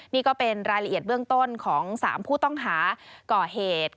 นี่ก็เป็นรายละเอียดเบื้องต้นของ๓ผู้ต้องหาก่อเหตุ